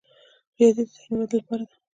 ریاضي د ذهني ودې لپاره ده.